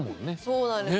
そうなんです。